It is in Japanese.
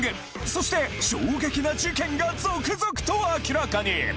そして衝撃な事件が続々と明らかに！